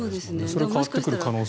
それが変わってくる可能性。